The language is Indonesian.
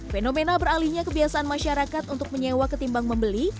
fenomena beralihnya kebiasaan masyarakat untuk menyewa ketimbang membeli